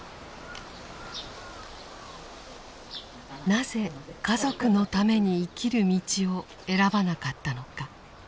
なぜ家族のために生きる道を選ばなかったのか。